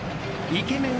イケメン